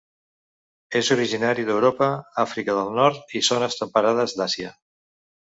És originari d'Europa, Àfrica del Nord i zones temperades d'Àsia.